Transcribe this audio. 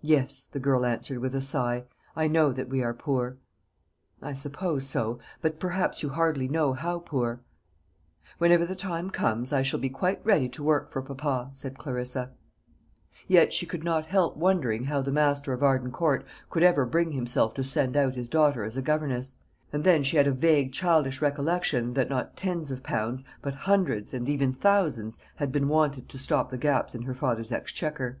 "Yes," the girl answered with a sigh; "I know that we are poor." "I suppose so; but perhaps you hardly know how poor." "Whenever the time comes, I shall be quite ready to work for papa," said Clarissa; yet she could not help wondering how the master of Arden Court could ever bring himself to send out his daughter as a governess; and then she had a vague childish recollection that not tens of pounds, but hundreds, and even thousands, had been wanted to stop the gaps in her father's exchequer.